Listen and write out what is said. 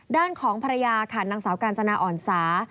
ด้านของภรรยาค่ะนางสาวกาญจนาอ่อนสา